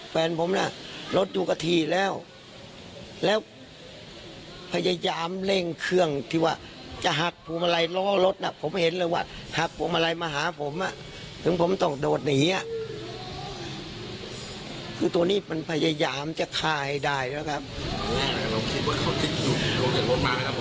ตอนแรกเราคิดว่าเขาจะหยุดมาครับผม